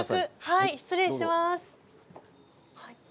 はい失礼します。